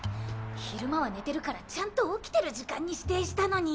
昼間は寝てるからちゃんと起きてる時間に指定したのに。